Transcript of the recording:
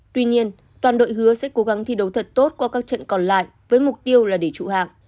tuy nhiên toàn đội hứa sẽ cố gắng thi đấu thật tốt qua các trận còn lại với mục tiêu là để trụ hạng